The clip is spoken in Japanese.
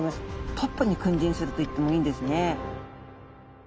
トップに君臨するといってもいいんですね。